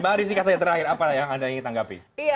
mbak andi sih kata yang terakhir apa yang anda ingin tanggapi